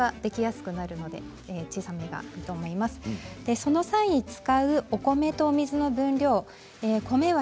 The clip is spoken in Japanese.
その際、使うお米とお水の分量です。